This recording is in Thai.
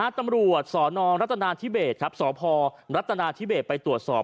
ตำรวจสนรัฐนาธิเบสครับสพรัฐนาธิเบสไปตรวจสอบ